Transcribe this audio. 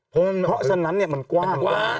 เพราะฉะนั้นเนี่ยมันกว้าง